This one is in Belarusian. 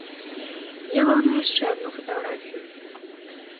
Я лаўлю яшчэ адну фатаграфію.